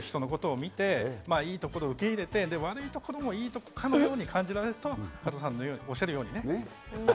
そのあたり、心理的な部分でより広く人のことを見て、いいところを受け入れて、悪いところをいいところのように感じられると加藤さんがおっしゃるように。